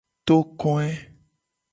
Tokoe.